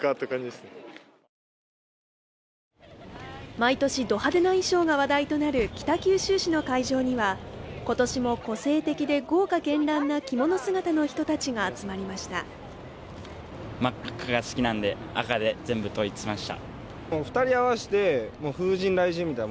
毎年ド派手な衣装が話題となる北九州市の会場には、今年も個性的で豪華絢爛な着物姿の人たちが集まりました。